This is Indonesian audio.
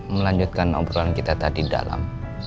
melanjutkan obrolan kita tadi dalam